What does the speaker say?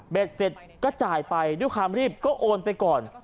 เสร็จก็จ่ายไปด้วยความรีบก็โอนไปก่อน